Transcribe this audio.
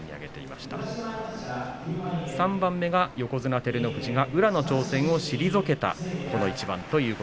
そして３番目は横綱照ノ富士が宇良の挑戦を退けた一番です。